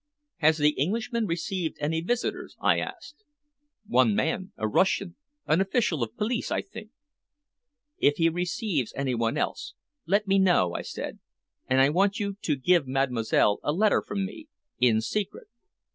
"Has the Englishman received any visitors?" I asked. "One man a Russian an official of police, I think." "If he receives anyone else, let me know," I said. "And I want you to give Mademoiselle a letter from me in secret."